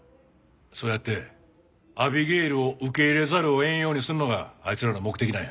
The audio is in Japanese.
そうやってアビゲイルを受け入れざるを得んようにするのがあいつらの目的なんや。